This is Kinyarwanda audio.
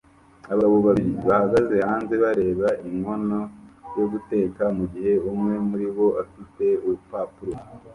Abagabo babiri bahagaze hanze bareba inkono yo guteka mugihe umwe muribo afite urupapuro